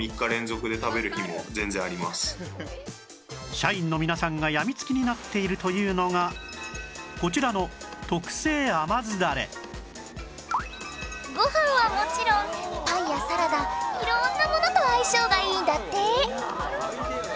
社員の皆さんが病み付きになっているというのがこちらのご飯はもちろんパンやサラダ色んなものと相性がいいんだって。